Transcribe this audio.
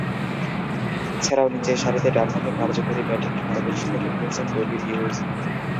এছাড়াও, নিচেরসারিতে ডানহাতে কার্যকরী ব্যাটিংয়ে পারদর্শিতা দেখিয়েছেন ডেভিড হিউজ।